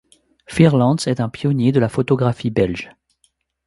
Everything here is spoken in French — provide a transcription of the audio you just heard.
Fierlants est un pionnier de la photographie belge.